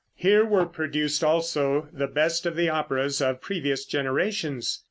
Here were produced, also, the best of the operas of previous generations.